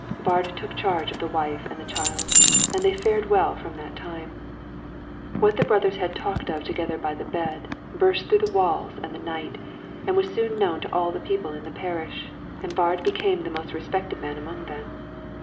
Baard took charge of the wife and the child, and they fared well from that time. What the brothers had talked of together by the bed, burst through the walls and the night, and was soon known to all the people in the parish, and Baard became the most respected man among them.